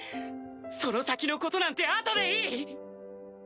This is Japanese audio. その先のことなんてあとでいい！